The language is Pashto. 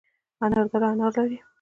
انار دره انار لري؟